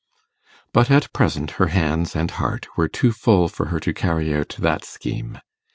But at present her hands and heart were too full for her to carry out that scheme.